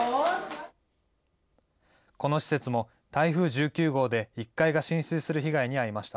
この施設も、台風１９号で１階が浸水する被害に遭いました。